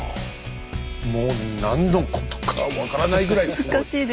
もう何のことか分からないぐらいすごい。